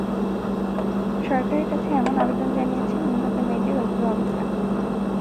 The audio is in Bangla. সরকারের কাছে এমন আবেদন জানিয়েছেন নিহত মেয়েদের অভিভাবকরা।